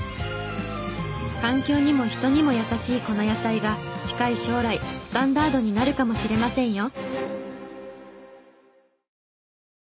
環境にも人にもやさしいこの野菜が近い将来スタンダードになるかもしれませんよ。